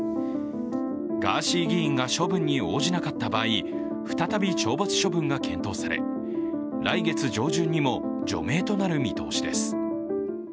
ガーシー議員が処分に応じなかった場合、再び懲罰処分が検討され、来月上旬にも除名となる見通しです。